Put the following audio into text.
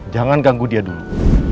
jangan ganggu dia dulu